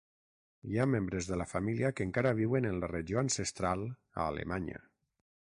Hi ha membres de la família que encara viuen en la regió ancestral a Alemanya.